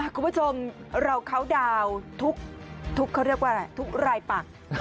คุณผู้ชมเราเขาดาวน์ทุกเขาเรียกว่าอะไรทุกรายปัก